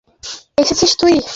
আরে, এসেছিস তুই?